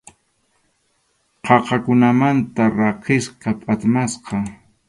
Qaqakunamanta rakisqa, phatmasqa.